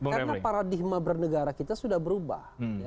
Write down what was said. karena paradigma bernegara kita sudah berubah